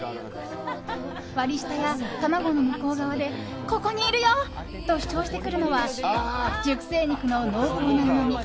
割り下や卵の向こう側でここにいるよ！と主張してくるのは熟成肉の濃厚なうまみ。